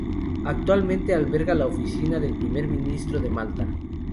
Actualmente alberga la oficina del primer ministro de Malta.